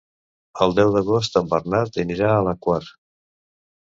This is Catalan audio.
El deu d'agost en Bernat anirà a la Quar.